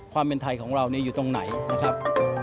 ความเป็นไทยของเราอยู่ตรงไหนนะครับ